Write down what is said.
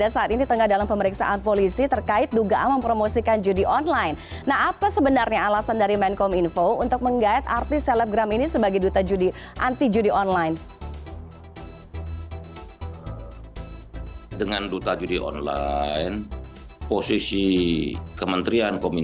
selamat sore pak menteri